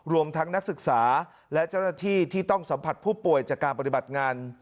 รวมทั้งนักศึกษาและเจ้าหน้าที่ที่ต้องสัมผัสผู้ป่วยจากการปฏิบัติงาน